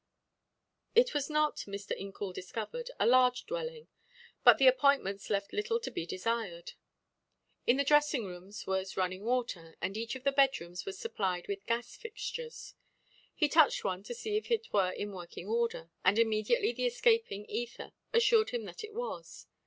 It was not, Mr. Incoul discovered, a large dwelling, but the appointments left little to be desired. In the dressing rooms was running water, and each of the bed rooms was supplied with gas fixtures. He touched one to see if it were in working order, and immediately the escaping ether assured him that it was.